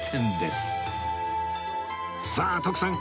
さあ徳さん